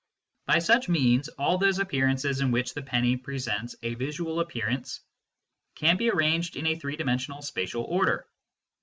By such means, all those perspectives in which the penny presents a visual appearance can be arranged in a three dimensional spatial order.